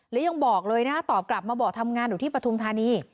แล้วยังบอกเลยนะตอบกลับมาบอกทำงานอยู่ที่ปฐุมธานี